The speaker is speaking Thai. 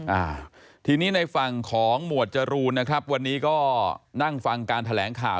อ่าทีนี้ในฝั่งของหมวดจรูนนะครับวันนี้ก็นั่งฟังการแถลงข่าว